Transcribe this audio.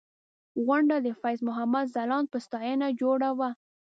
غونډه د فیض محمد ځلاند په ستاینه جوړه وه.